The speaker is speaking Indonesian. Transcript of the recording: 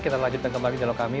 kita lanjutkan kembali di dalam kami